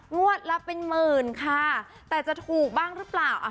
งวดละเป็นหมื่นค่ะแต่จะถูกบ้างหรือเปล่า